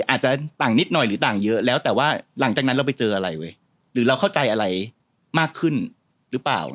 อาจจะต่างนิดหน่อยหรือต่างเยอะแล้วแต่ว่าหลังจากนั้นเราไปเจออะไรเว้ยหรือเราเข้าใจอะไรมากขึ้นหรือเปล่า